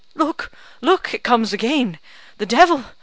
Look look, it comes again! the devil!